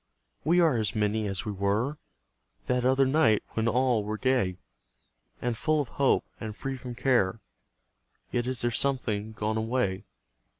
We are as many as we were That other night, when all were gay And full of hope, and free from care; Yet is there something gone away.